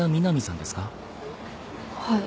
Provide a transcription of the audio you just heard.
はい。